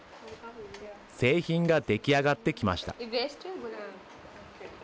製品が出来上がってきました。